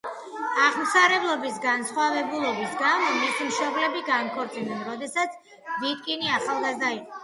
აღმსარებლობის განსხვავებულობის გამო, მისი მშობლები განქორწინდნენ, როდესაც ვიტკინი ახალგაზრდა იყო.